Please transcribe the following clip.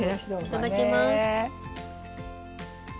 いただきます。